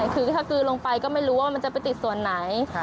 คือถ้ากลืนลงไปก็ไม่รู้ว่ามันจะไปติดส่วนไหน